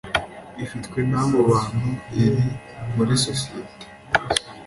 Ifitwe n abo bantu iri muri sosiyete